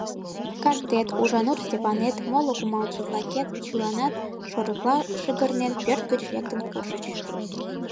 Картет, Ужанур Стапанет, моло кумалше-влакет — чыланат, шорыкла шыгырнен, пӧрт гыч лектын куржыч.